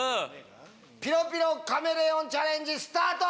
ピロピロカメレオンチャレンジスタート！